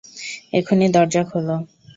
এখনই দরজা খোলো!